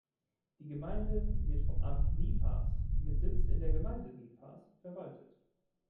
Die Gemeinde wird vom Amt Niepars mit Sitz in der Gemeinde Niepars verwaltet.